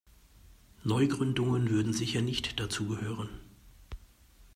Neugründungen würden sicher nicht dazugehören.